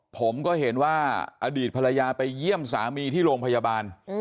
ผมก็เห็นว่าอดีตภรรยาไปเยี่ยมสามีที่โรงพยาบาล